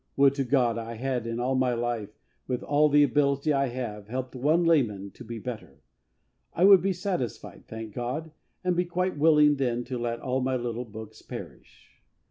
Would to God I had in all my life, with all the ability I have, helped one layman to be better! I would be satisfied, thank God, and be quite willing then to let all my little books perish.